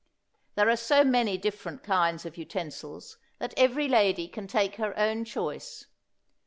There are so many different kinds of utensils that every lady can take her own choice.